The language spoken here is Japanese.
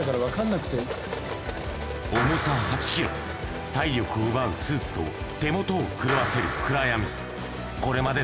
重さ８キロ、体力を奪うスーツと、手元を狂わせる暗闇。